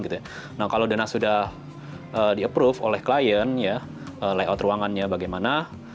kalau data denah sudah di approve oleh klien layout ruangannya bagaimana